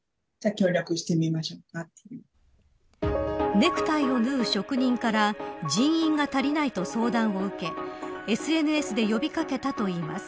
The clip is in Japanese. ネクタイを縫う職人から人員が足りないと相談を受けＳＮＳで呼び掛けたといいます。